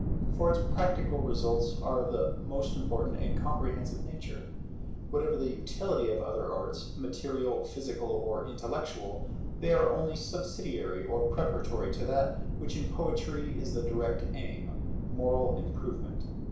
For its practical results are of the most important and comprehensive nature. Whatever the utility of other arts, material, physical, or intellectual, they are only subsidiary or preparatory to that which in Poetry is the direct aim, moral improvement.